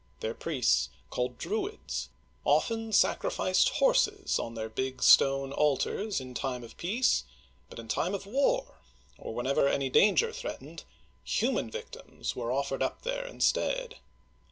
Their priests, called Dru'ids, often sacrificed horses on their big stone altars in time of peace ; but in time of war, or whenever any danger threatened, human victims were offered up there instead.